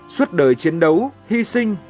suốt đời chiến đấu hy sinh